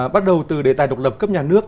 bắt đầu từ đề tài độc lập cấp nhà nước